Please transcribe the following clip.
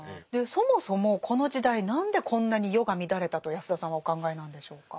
そもそもこの時代何でこんなに世が乱れたと安田さんはお考えなんでしょうか？